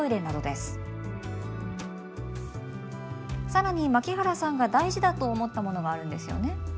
更に槙原さんが大事だと思ったものがあるんですよね？